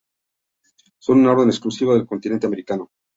Son un orden exclusivo del continente americano.